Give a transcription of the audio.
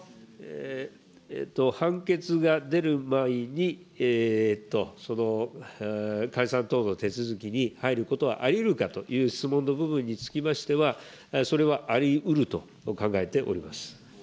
判決が出る前にその解散等の手続きに入ることはありうるかという質問の部分につきましては、それはありうると考えております。